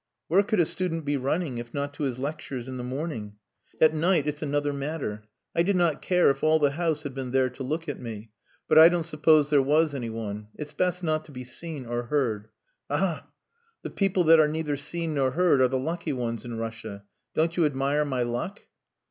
"Where could a student be running if not to his lectures in the morning? At night it's another matter. I did not care if all the house had been there to look at me. But I don't suppose there was anyone. It's best not to be seen or heard. Aha! The people that are neither seen nor heard are the lucky ones in Russia. Don't you admire my luck?"